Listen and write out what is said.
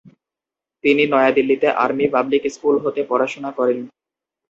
তিনি নয়াদিল্লির army public school হতে পড়াশুনা করেন।